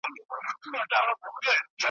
د ځنګله پاچا ته نوې دا ناره وه `